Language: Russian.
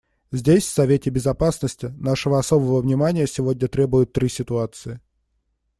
Здесь, в Совете Безопасности, нашего особого внимания сегодня требуют три ситуации.